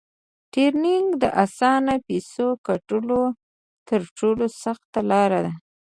ټریډینګ د اسانه فیسو ګټلو تر ټولو سخته لار ده